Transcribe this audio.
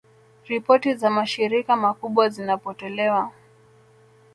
Ripoti za mashirika makubwa zinapotolewa